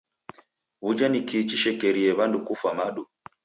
W'uja ni kii chishekeriagha w'andu kufwa madu?